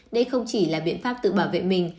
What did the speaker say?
đây không chỉ là biện pháp tự bảo vệ mình